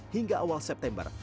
hingga awal september